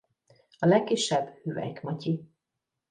A legkisebb Hüvelyk Matyi.